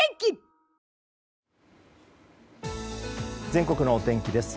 全国のお天気です。